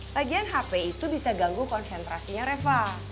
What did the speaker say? bagian hp itu bisa ganggu konsentrasinya reva